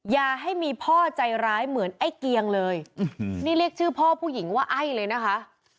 อย่าให้มีพ่อใจร้ายเหมือนไอ้เกียงเลยนี่เรียกชื่อพ่อผู้หญิงว่าไอ้เลยนะคะ